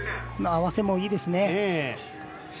合わせも、いいですね。